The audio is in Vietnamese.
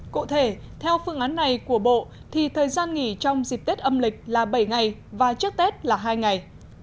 cụ thể theo phương án này của bộ thì thời gian nghỉ trong dịp tết âm lịch là bảy ngày và trước tết là hai ngày